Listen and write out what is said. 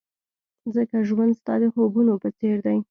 ځکه ژوند ستا د خوبونو په څېر دی.